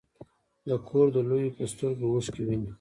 د کور د لویو په سترګو اوښکې وینې.